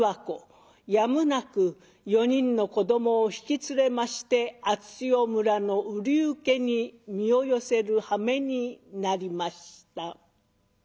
やむなく４人の子どもを引きつれまして熱塩村の瓜生家に身を寄せるはめになりました。